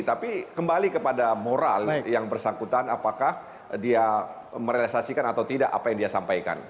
tapi kembali kepada moral yang bersangkutan apakah dia merealisasikan atau tidak apa yang dia sampaikan